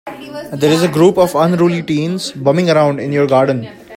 There's a group of unruly teens bumming around in your garden.